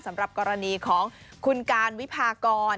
สำหรับกรณีของคุณการวิพากร